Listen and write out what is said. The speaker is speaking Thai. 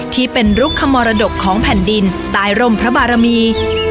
ที่เป็นรุกขมรดกของแผ่นดินใต้ร่มพระบารมี